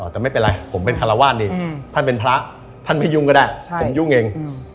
แต่ไม่เป็นไรผมเป็นคารวาสดีท่านเป็นพระท่านไม่ยุ่งก็ได้ผมยุ่งเอง